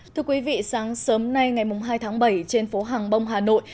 thưa quý vị sáng sớm nay ngày hai tháng bảy trên phố hàng bông hà nội